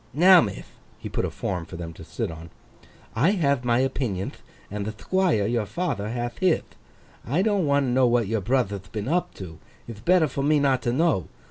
Now, mith;' he put a form for them to sit on; 'I have my opinionth, and the Thquire your father hath hith. I don't want to know what your brother'th been up to; ith better for me not to know.